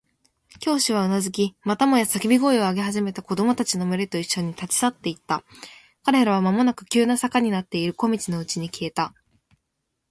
教師はうなずき、またもや叫び声を上げ始めた子供たちのむれといっしょに、立ち去っていった。彼らはまもなく急な坂になっている小路のうちに消えた。